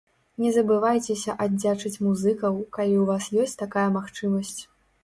Не забывайцеся аддзячыць музыкаў, калі ў вас ёсць такая магчымасць.